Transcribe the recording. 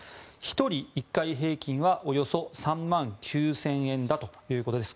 １人１回平均はおよそ３万９０００円だということです。